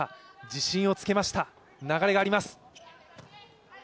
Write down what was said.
自信をつけました、流れがあります。